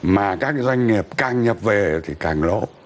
mà các doanh nghiệp càng nhập về thì càng lỗ